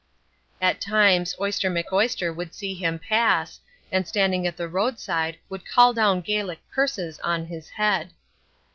At times Oyster McOyster would see him pass, and standing at the roadside would call down Gaelic curses on his head.